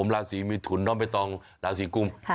ราศีมีถุนต้องไปต้องราศีกุ้ม